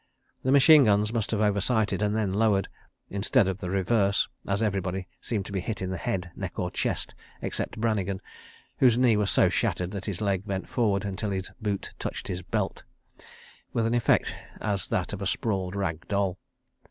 The machine guns must have over sighted and then lowered, instead of the reverse, as everybody seemed to be hit in the head, neck or chest except Brannigan, whose knee was so shattered that his leg bent forward until his boot touched his belt—with an effect as of that of a sprawled rag doll.